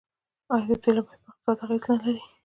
آیا د تیلو بیه په اقتصاد اغیز نلري؟